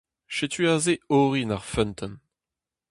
Setu aze orin ar Feunteun.